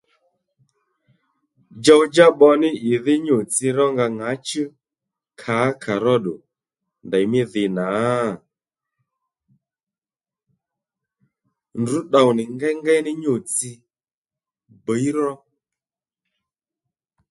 Djow-djá pbo ní ìdhí nyû-tsi rónga ŋǎchú kǎkà róddù ndèymí dhi nà? Ndrǔ tdow nì ngéyngéy ní nyû-tsi bǐy ró